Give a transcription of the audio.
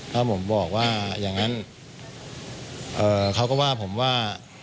แล้วผมบอกว่าอย่างนั้นเขาก็ว่าผมว่า